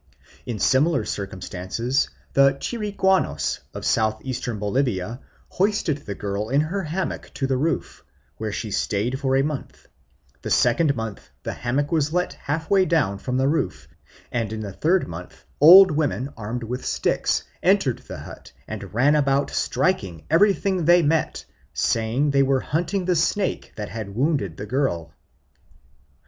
In similar circumstances the Chiriguanos of South eastern Bolivia hoisted the girl in her hammock to the roof, where she stayed for a month: the second month the hammock was let half way down from the roof; and in the third month old women, armed with sticks, entered the hut and ran about striking everything they met, saying they were hunting the snake that had wounded the girl.